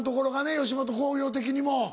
吉本興業的にも。